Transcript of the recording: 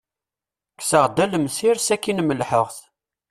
Kkseɣ-d alemsir, sakin melḥeɣ-t.